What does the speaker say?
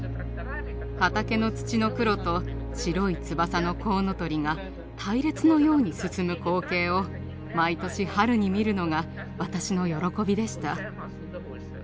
畑の土の黒と白い翼のコウノトリが隊列のように進む光景を毎年春に見るのが私の喜びでした。